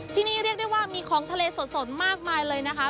ที่นี่เรียกได้ว่ามีของทะเลสดมากมายเลยนะคะ